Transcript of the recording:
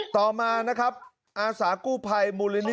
ต่อมานะครับอาสากู้ภัยมูลนิ